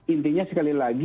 intinya sekali lagi